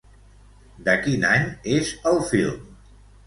De quin any és el film?